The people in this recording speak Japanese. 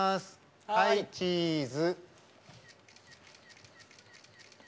はい、チーズ！